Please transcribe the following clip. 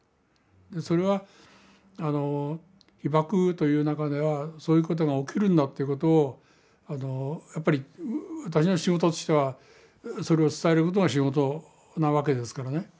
それは被ばくという中ではそういうことが起きるんだということをやっぱり私の仕事してはそれを伝えることが仕事なわけですからね。